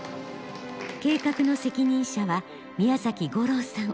計画の責任者は宮崎吾朗さん。